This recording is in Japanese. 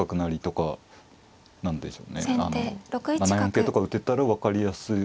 桂とか打てたら分かりやすい。